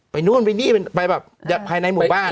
นู่นไปนี่ไปแบบภายในหมู่บ้าน